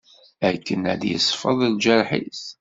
Akken ad d-yesfeḍ lğerḥ-is.